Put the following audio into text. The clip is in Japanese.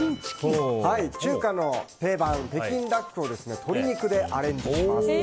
中華の定番、北京ダックを鶏肉でアレンジします。